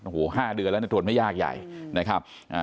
โอ้โห๕เดือนแล้วตรวจไม่ยากใหญ่นะครับ